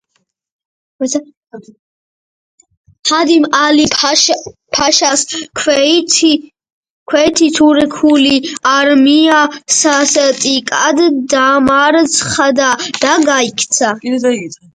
ჰადიმ ალი-ფაშას ქვეითი თურქული არმია სასტიკად დამარცხდა და გაიქცა.